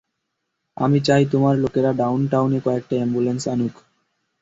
আমি চাই তোমার লোকেরা ডাউনটাউনে কয়েকটা অ্যাম্বুলেন্স আনুক।